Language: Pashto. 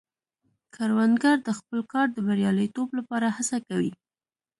کروندګر د خپل کار د بریالیتوب لپاره هڅه کوي